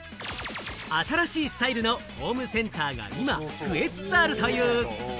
新しいスタイルのホームセンターが今、増えつつあるという。